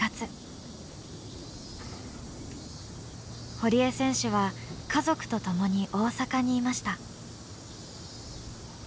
堀江選手は家族と共に大阪にいました。